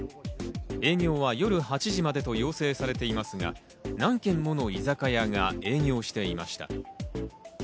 営業は夜８時までと要請されていますが、何軒もの居酒屋が営業していました。